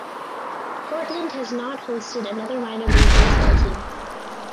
Cortland has not hosted another minor league baseball team.